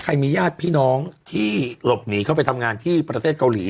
ยังมีญาติพี่น้องที่หลบหนีเข้าไปทำงานที่ประเทศเกาหลี